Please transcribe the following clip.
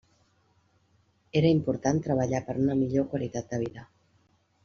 Era important treballar per una millor qualitat de vida.